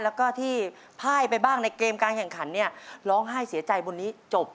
แล้วก็ที่พ่ายไปบ้างในเกมการแข่งขันเนี่ยร้องไห้เสียใจบนนี้จบ